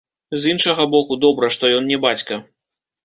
З іншага боку, добра, што ён не бацька.